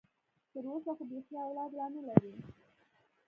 تر اوسه خو بيخي اولاد لا نه لري.